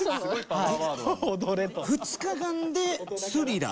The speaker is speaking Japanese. はい。